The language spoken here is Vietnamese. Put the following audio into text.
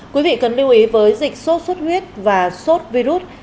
quý vị cần lưu ý với dịch sốt xuất huyết và sốt virus